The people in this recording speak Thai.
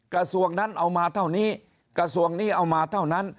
กระทรวงนั้นเอามาเท่านี้กระทรวงนี้เอามาเท่านั้น